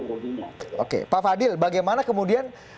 oke pak fadil bagaimana kemudian